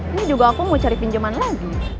ini juga aku mau cari pinjaman lagi